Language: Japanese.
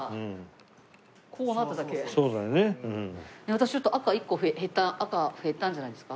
私ちょっと赤１個減った赤減ったんじゃないですか？